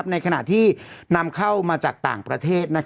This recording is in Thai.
ในขณะที่นำเข้ามาจากต่างประเทศ